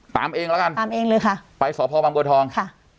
ตามเองแล้วกันตามเองเลยค่ะไปสพบางบัวทองค่ะ